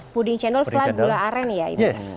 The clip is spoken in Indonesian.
puding cendol flat gula aren ya itu